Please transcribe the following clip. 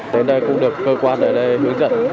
đến đây cũng được cơ quan ở đây hướng dẫn